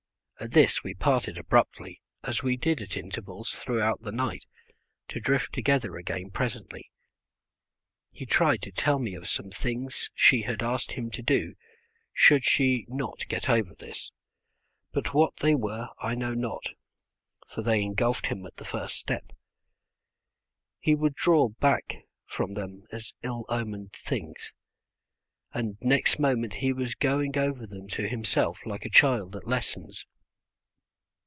At this we parted abruptly, as we did at intervals throughout the night, to drift together again presently. He tried to tell me of some things she had asked him to do should she not get over this, but what they were I know not, for they engulfed him at the first step. He would draw back from them as ill omened things, and next moment he was going over them to himself like a child at lessons.